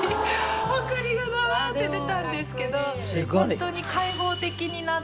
ほこりがバーッて出たんですけどホントに開放的になって。